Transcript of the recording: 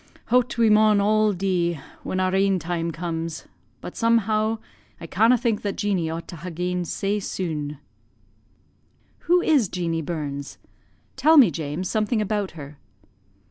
Hout we maun all dee when our ain time comes; but, somehow, I canna' think that Jeanie ought to ha' gane sae sune." "Who is Jeanie Burns? Tell me, James, something about her."